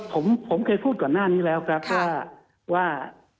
ผมเคยพูดก่อนหน้านี้แล้วครับว่า